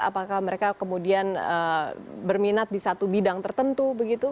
apakah mereka kemudian berminat di satu bidang tertentu begitu